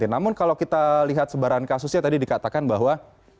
namun kalau kita lihat sebaran kasusnya tadi dikatakan bahwa